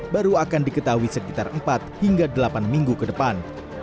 baru akan diketahui sekitar empat hingga delapan minggu ke depan